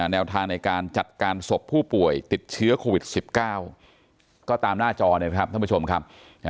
แนวทางในการจัดการศพผู้ป่วยติดเชื้อโควิด๑๙ก็ตามหน้าจอเนี่ยนะครับท่านผู้ชมครับ